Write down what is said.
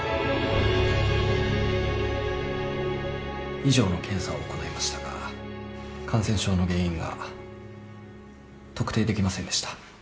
以上の検査を行いましたが感染症の原因が特定できませんでした。